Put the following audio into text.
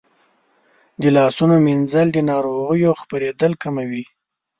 د لاسونو مینځل د ناروغیو خپرېدل کموي.